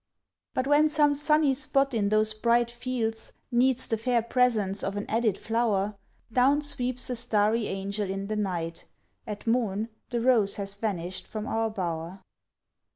But when some sunny spot in those bright fields Needs the fair presence of an added flower, Down sweeps a starry angel in the night: At morn the rose has vanished from our bower.